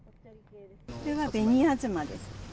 これは紅あずまです。